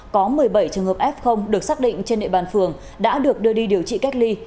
có một mươi bảy trường hợp f được xác định trên địa bàn phường đã được đưa đi điều trị cách ly